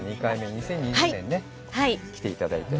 ２０２０年に来ていただいて。